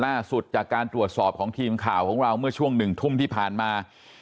ล่าสุดจากการตรวจสอบของทีมข่าวของเราเมื่อช่วง๑ทุ่มที่ผ่านมา